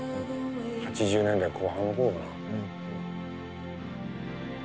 ８０年代後半ごろかな。